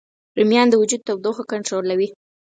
رومیان د وجود تودوخه کنټرولوي